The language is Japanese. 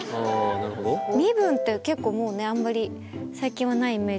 身分って結構もうあんまり最近はないイメージだけど。